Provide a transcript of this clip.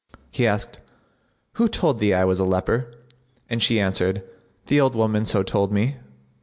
He asked, "Who told thee I was a leper?" and she answered, "The old woman so told me."